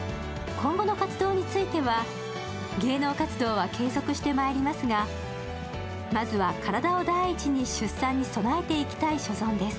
今後の活動については芸能活動は継続していきますが、まずは体を第一に出産に備えていきたい所存です。